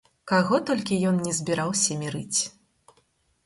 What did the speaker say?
Каго толькі ён ні збіраўся мірыць.